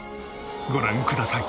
ご覧ください。